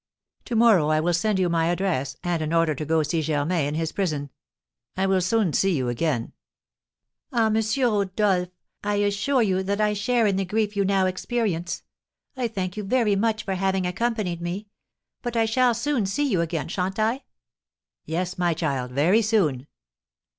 To morrow I will send you my address, and an order to go to see Germain in his prison. I will soon see you again." "Ah, M. Rodolph, I assure you that I share in the grief you now experience! I thank you very much for having accompanied me; but I shall soon see you again, sha'n't I?" "Yes, my child, very soon."